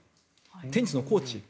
テニスのコーチ。